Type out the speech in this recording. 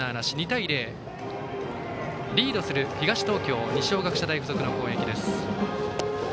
２対０、リードする東東京二松学舎大付属の攻撃です。